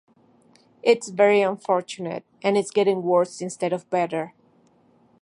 It's very unfortunate, and it's getting worse instead of better.